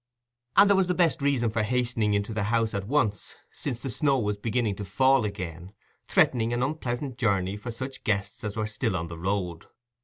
And there was the best reason for hastening into the house at once, since the snow was beginning to fall again, threatening an unpleasant journey for such guests as were still on the road.